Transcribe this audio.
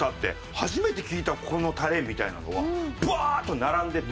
初めて聞いたこのタレみたいなのがブワーッと並んでて。